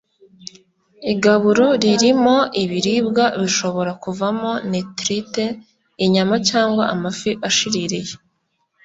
Igaburo ririmo ibiribwa bishobora kuvamo Nitrites (inyama cyangwa amafi ashiririye